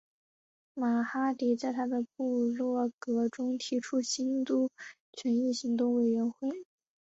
马哈迪在他的部落格中提出兴都权益行动委员会及黄明志为例子。